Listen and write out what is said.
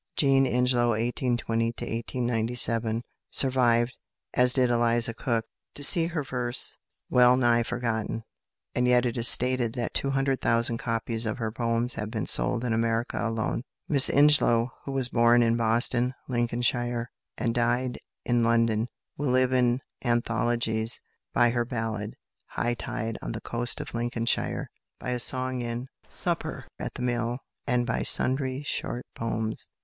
=Jean Ingelow (1820 1897)= survived, as did Eliza Cook, to see her verse well nigh forgotten, and yet it is stated that two hundred thousand copies of her poems have been sold in America alone. Miss Ingelow, who was born in Boston, Lincolnshire, and died in London, will live in anthologies by her ballad, "High Tide on the Coast of Lincolnshire," by a song in "Supper at the Mill," and by sundry short poems.